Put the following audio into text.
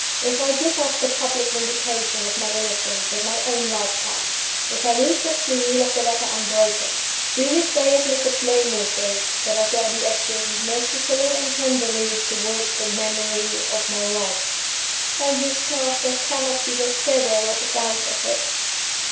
If I give up the public vindication of my innocence, in my own lifetime if I leave the seal of the letter unbroken do you say, as Mr. Playmore says, that I shall be acting mercifully and tenderly toward the memory of my wife?" "Oh, Eustace, there cannot be the shadow of a doubt of it!"